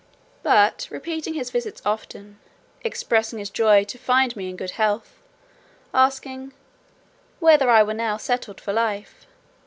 But repeating his visits often, expressing his joy to find me in good health, asking, "whether I were now settled for life?"